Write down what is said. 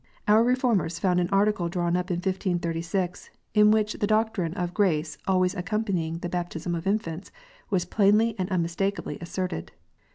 Our Reformers found an Article drawn up in 1536, in which the doctrine of grace always accompanying the baptism of infants was plainly and unmistakably asserted.